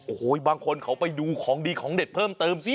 โอ้โหบางคนเขาไปดูของดีของเด็ดเพิ่มเติมสิ